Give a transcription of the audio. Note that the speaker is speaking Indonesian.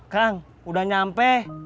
kang udah nyampe